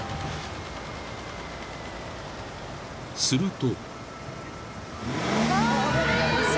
［すると］